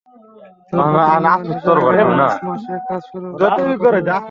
দরপত্র মূল্যায়ন শেষে আগামী মার্চ মাসে কাজ শুরু করার কথা রয়েছে।